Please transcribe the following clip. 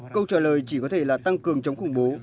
câu trả lời chỉ có thể là tăng cường chống khủng bố